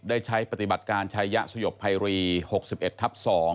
ได้ใช้ปฏิบัติการชายะสยบภัยรี๖๑ทับ๒